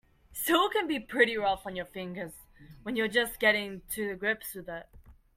Steel can be pretty rough on your fingers when you're just getting to grips with it.